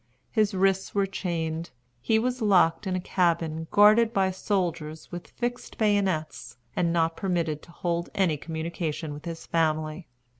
His wrists were chained, he was locked in a cabin guarded by soldiers with fixed bayonets, and not permitted to hold any communication with his family.